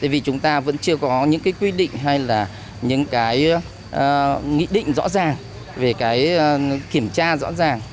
vì chúng ta vẫn chưa có những cái quy định hay là những cái nghị định rõ ràng về cái kiểm tra rõ ràng